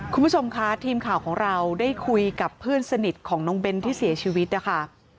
คุณผู้ชมคะทีมข่าวของเราได้คุยกับเพื่อนสนิทของน้องเบ้นที่เสียชีวิตนะคะ